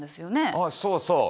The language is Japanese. あそうそう。